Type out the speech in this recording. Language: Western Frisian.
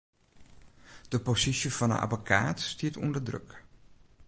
De posysje fan 'e abbekaat stiet ûnder druk.